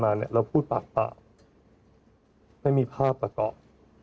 ที่ผ่านมาเราพูดปากปากไม่มีภาพประกอบ